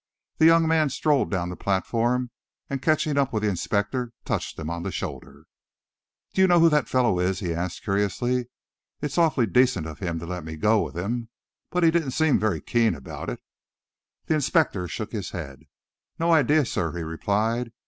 The young man strolled down the platform, and catching up with the inspector, touched him on the shoulder. "Do you know who the fellow is?" he asked curiously. "It's awfully decent of him to let me go with him, but he didn't seem very keen about it." The inspector shook his head. "No idea, sir," he replied.